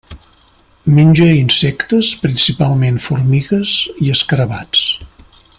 Menja insectes, principalment formigues i escarabats.